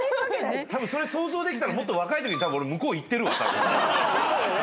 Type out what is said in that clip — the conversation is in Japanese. たぶんそれ想像できたらもっと若いときたぶん俺向こう行ってるわ。